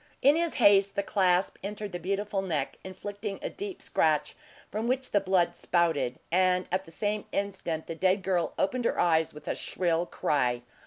In his haste, the clasp entered the beautiful neck, inflicting a deep scratch, from which the blood spouted; and at the same instant the dead girl opened her eyes with a shrill cry.